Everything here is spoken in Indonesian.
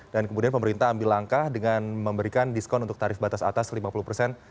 dan kemudian pemerintah ambil langkah dengan memberikan diskon untuk tarif batas atas lima puluh persen